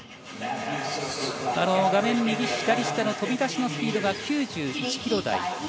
画面右下の飛び出しのスピードが９１キロ台。